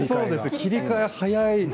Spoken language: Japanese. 切り替えが早い。